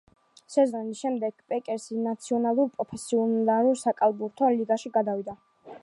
სეზონის შემდეგ, პეკერსი ნაციონალურ პროფესიონალურ საკალათბურთო ლიგაში გადავიდა.